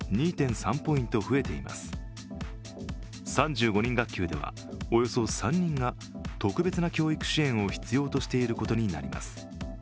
３５人学級では、およそ３人が特別な教育支援を必要としていることになります。